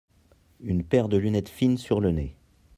Une paire de lunettes fines sur le nez.